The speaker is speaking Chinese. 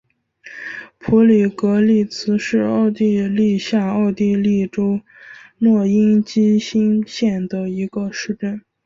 普里格利茨是奥地利下奥地利州诺因基兴县的一个市镇。